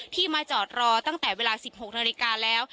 มาจอดรอตั้งแต่เวลา๑๖นาฬิกาแล้ว